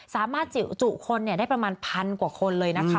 สามารถจุคนได้ประมาณพันกว่าคนเลยนะคะ